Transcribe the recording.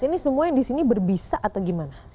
ini semua yang di sini berbisa atau gimana